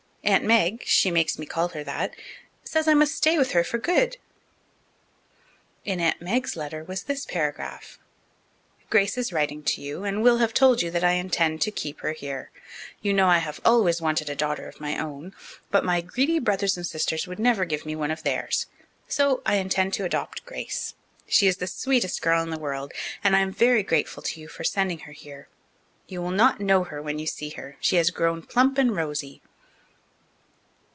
Aunt Meg she makes me call her that says I must stay with her for good." In Aunt Meg's letter was this paragraph: _Grace is writing to you, and will have told you that I intend to keep her here. You know I have always wanted a daughter of my own, but my greedy brothers and sisters would never give me one of theirs. So I intend to adopt Grace. She is the sweetest girl in the world, and I am very grateful to you for sending her here. You will not know her when you see her. She has grown plump and rosy.